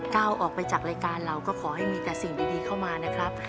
ก้าวออกไปจากรายการเราก็ขอให้มีแต่สิ่งดีเข้ามานะครับ